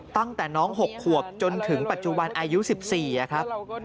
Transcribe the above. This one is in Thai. ตั้งแต่น้อง๖ขวบจนถึงปัจจุบันอายุ๑๔ครับ